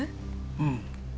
うん。